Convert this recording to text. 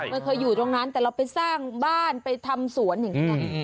เคยอยู่ตรงนั้นแต่เราไปสร้างบ้านไปทำสวนอย่างนี้นะ